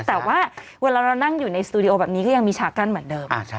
แต่ว่าเวลาเรานั่งอยู่ในสตูดิโอแบบนี้ก็ยังมีฉากกั้นเหมือนเดิม